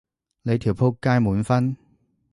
你條僕街滿分？